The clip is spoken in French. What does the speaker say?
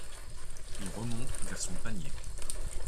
Il remonte vers son panier.